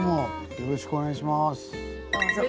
よろしくお願いします。